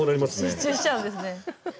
集中しちゃうんですね。